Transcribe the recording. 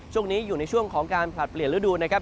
ช่วงนี้อยู่ในช่วงของการผลัดเปลี่ยนฤดูนะครับ